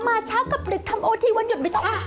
มาเช้ากับดึกทำเอาทีวันหยุดก็ไม่ต่อ